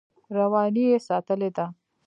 رواني یې ساتلې ده.